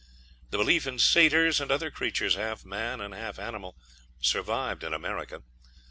The belief in satyrs, and other creatures half man and half animal, survived in America.